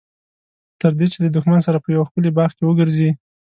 تر دې چې د دښمن سره په یوه ښکلي باغ کې وګرځي.